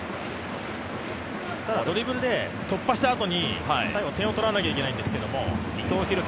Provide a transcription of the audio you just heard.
ただドリブルで突破したあとに最後点を取らないといけないんですけども。